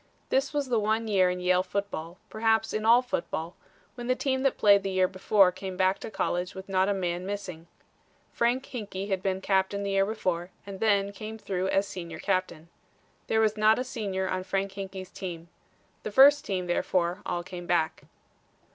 This was the one year in Yale football, perhaps in all football, when the team that played the year before came back to college with not a man missing. Frank Hinkey had been captain the year before and then came through as senior captain. There was not a senior on Frank Hinkey's team. The first team, therefore, all came back.